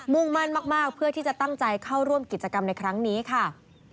่งมั่นมากเพื่อที่จะตั้งใจเข้าร่วมกิจกรรมในครั้งนี้ค่ะ